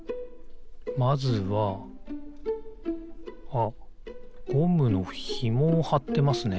あっゴムのひもをはってますね。